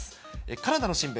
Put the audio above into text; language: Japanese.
カナダの新聞。